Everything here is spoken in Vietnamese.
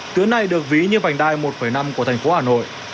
tuyến này được ví như vành đai một năm của thành phố hà nội